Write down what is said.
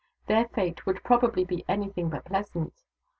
Their fate would probably be anything but pleasant.